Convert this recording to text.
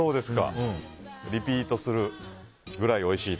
リピートするくらいおいしいと。